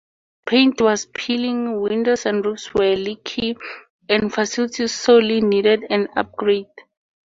Paint was peeling, windows and roofs were leaky, and facilities sorely needed an upgrade.